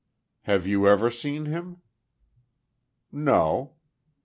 "Have you ever seen him?" "No."